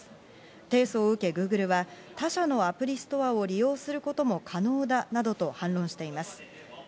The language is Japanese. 提訴を受けＧｏｏｇｌｅは他社のアプリストアを利用することも可能だなどと反論しています。